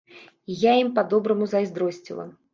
І я ім па-добраму зайздросціла.